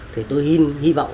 thì tôi hy vọng